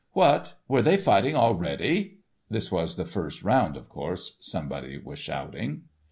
What! Were they fighting already? This was the first round, of course, somebody was shouting.